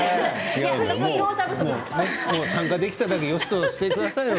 参加できただけでもよしとしてくださいよ